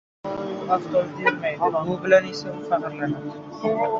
U avtobusda yurmaydi, bu bilan esa faxrlanadi.